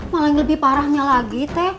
malah lebih parahnya lagi